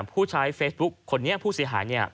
ผู้ใช้เฟซบุ๊คคนนี้ผู้เสียหายเนี่ย